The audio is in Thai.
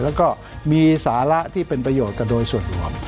แล้วก็มีสาระที่เป็นประโยชน์กันโดยส่วนรวม